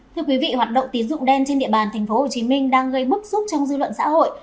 thưa quý vị hoạt động tín dụng đen trên địa bàn tp hcm đang gây bức xúc trong dư luận xã hội